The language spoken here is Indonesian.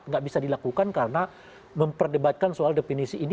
nggak bisa dilakukan karena memperdebatkan soal definisi ini